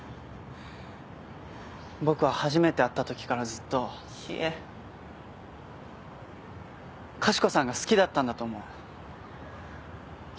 僕は初めて会った時からずっとかしこさんが好きだったんだと思う。